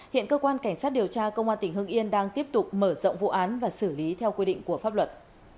hiện cơ quan cảnh sát điều tra công an tỉnh hưng yên đang tiếp tục mở rộng vụ án và xử lý theo quy định của pháp luật